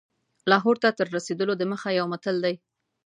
لاهور ته تر رسېدلو دمخه یو متل دی.